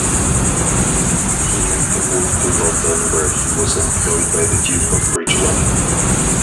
He later moved to London, where he was employed by the Duke of Bridgewater.